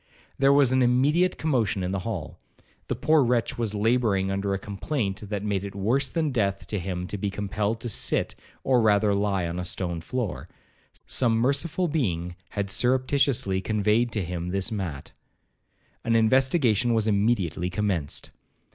There was an immediate commotion in the hall. The poor wretch was labouring under a complaint that made it worse than death to him to be compelled to sit or rather lie on a stone floor; some merciful being had surreptitiously conveyed to him this mat. An investigation was immediately commenced.